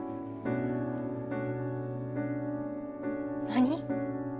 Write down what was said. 何？